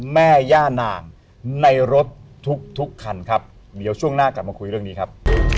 แม่ย่านางในรถทุกทุกคันครับเดี๋ยวช่วงหน้ากลับมาคุยเรื่องนี้ครับ